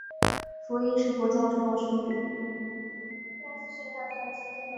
佛音是佛教重要术语。